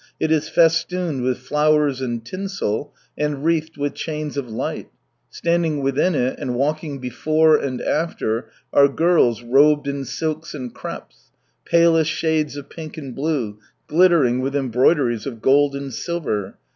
It is festooned with flowers and tinsel, and wreathed with chains of light. Standing within it, and walking before and after, are girls robed in silks and crepes, palest shades of pink and blue, glittering with embroideries of gold and silver.